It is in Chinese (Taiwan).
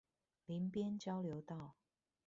林邊交流道